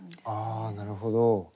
ああなるほど。